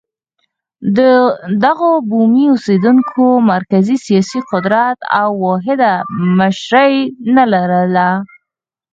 دغو بومي اوسېدونکو مرکزي سیاسي قدرت او واحده مشري نه لرله.